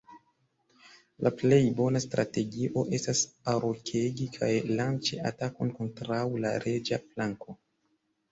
La plej bona strategio estas arokegi kaj lanĉi atakon kontraŭ la reĝa flanko.